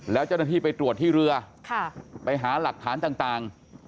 แล้วเจ้าหน้าที่ไปตรวจที่เรือไปหาหลักฐานต่าง